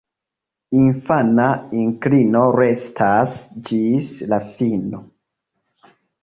Infana inklino restas ĝis la fino.